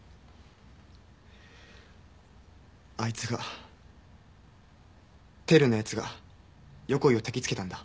あいつがテルの奴が横井をたきつけたんだ。